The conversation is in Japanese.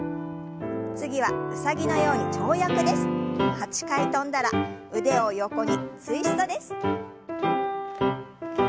８回跳んだら腕を横にツイストです。